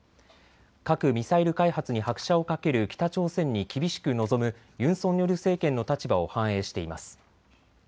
核・ミサイル開発に拍車をかける北朝鮮に厳しく臨むユン・ソンニョル政権の立場を反映しています。